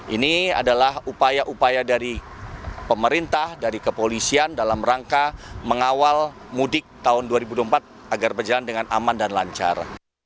ini adalah upaya upaya dari pemerintah dari kepolisian dalam rangka mengawal mudik tahun dua ribu dua puluh empat agar berjalan dengan aman dan lancar